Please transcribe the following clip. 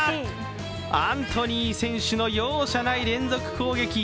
アントニー選手の容赦ない連続攻撃。